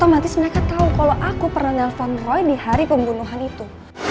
otomatis mereka tahu kalau aku pernah nelfon roy di hari pembunuhan itu